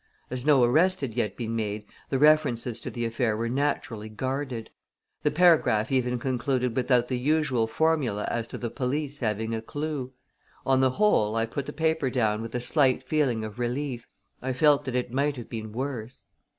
As no arrest had yet been made the references to the affair were naturally guarded. The paragraph even concluded without the usual formula as to the police having a clew. On the whole, I put the paper down with a slight feeling of relief. I felt that it might have been worse.